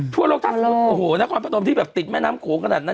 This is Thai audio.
ทั่วโลกท่านโอ้โหนักความประตูมที่ติดแม่น้ำโขวขนาดนั้น